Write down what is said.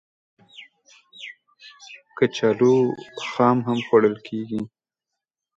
کچالو خام هم خوړل کېږي